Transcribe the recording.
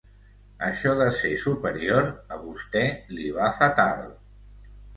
Això de ser superior, a vostè li va fatal.